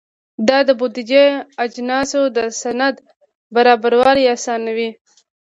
دا د بودیجوي اجناسو د سند برابرول اسانوي.